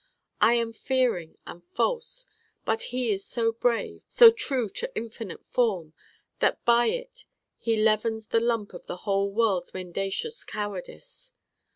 I am fearing and false: but he is so brave, so true to infinite form, that by it he leavens the lump of the whole world's mendacious cowardice.